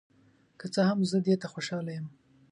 که څه هم، زه دې ته خوشحال یم.